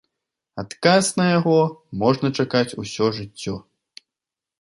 Адказ на яго можна чакаць усё жыццё.